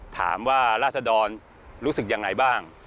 ถามว่ารัฐดรรสิกอย่างไรบ้าง